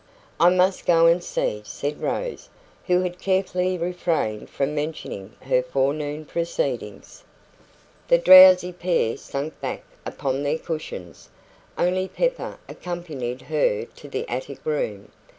"I must go up and see," said Rose, who had carefully refrained from mentioning her forenoon proceedings. The drowsy pair sank back upon their cushions; only Pepper accompanied her to the attic room.